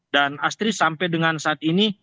dan astri sampai dengan saat ini